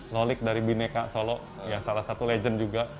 lolik dari bineka solo salah satu legend juga